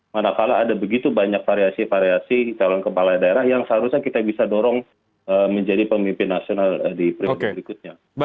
manakala ada begitu banyak variasi variasi calon kepala daerah yang seharusnya kita bisa dorong menjadi pemimpin nasional di periode berikutnya